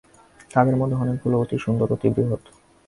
তাদের মধ্যে অনেকগুলো অতি সুন্দর, অতি বৃহৎ।